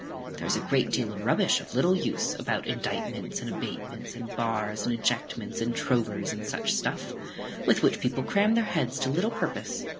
There is a great deal of rubbish of little use, about indictments, and abatements, and bars, and ejectments, and trovers, and such stuff, with which people cram their heads to little purpose.